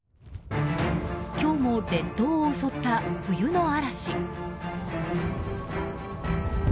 今日も列島を襲った冬の嵐。